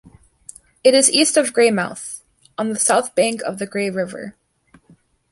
It is east of Greymouth, on the south bank of the Grey River.